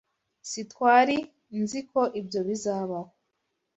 Sitwari nzi ko ibyo bizabaho.